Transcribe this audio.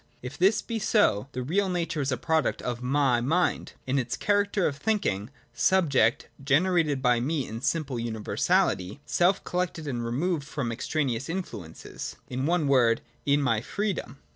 If this be so, the real nature is a product of my mind, in its character of thinking subject— generated by me in my simple universality, self collected and removed from extraneous influences — in one word, in my Freedom.